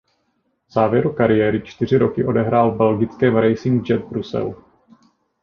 V závěru kariéry čtyři roky odehrál v belgickém Racing Jet Brusel.